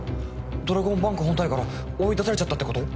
ドラゴンバンク本体から追い出されちゃったってこと！？